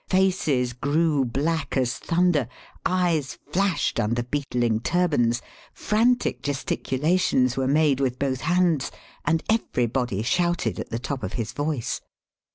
Faces grew black as thunder; eyes flashed under beetling turbans ; frantic gesticulations were made with both hands ; and everybody shouted at the top of his voice.